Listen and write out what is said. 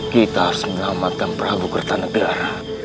kita harus melamatkan prabu kartanegara